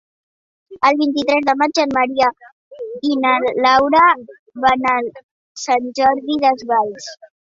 El vint-i-tres de maig en Maria i na Laura van a Sant Jordi Desvalls.